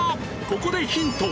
ここでヒント。